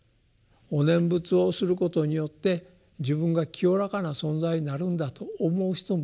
お念仏をすることによって自分が清らかな存在になるんだと思う人もいるかもしれない。